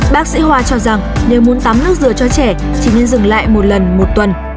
bác sĩ hoa cho rằng nếu muốn tắm nước dừa cho trẻ chỉ nên dừng lại một lần một tuần